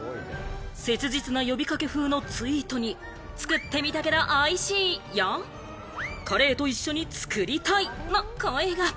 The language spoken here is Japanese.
切実な呼び掛け風のツイートに、作ってみたけどおいしい！やカレーと一緒に作りたい！の声が。